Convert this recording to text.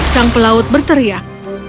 sang pelaut berteriak